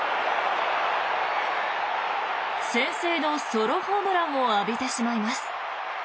先制のソロホームランを浴びてしまいます。